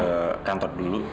bu saya ingin ke kantor dulu